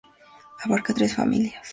Abarca tres familias.